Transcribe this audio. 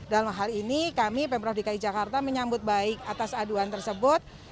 dalam hal ini kami pemprov dki jakarta menyambut baik atas aduan tersebut